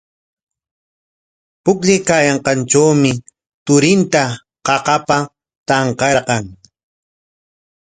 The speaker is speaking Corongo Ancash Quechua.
Pukllaykaayanqantrawmi turinta qaqapa tanqarqan.